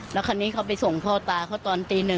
แล้วคราวนี้เขาไปส่งพ่อตาเขาตอนตี๑